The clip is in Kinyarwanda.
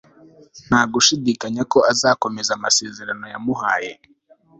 nta gushidikanya ko azakomeza amasezerano yamuhaye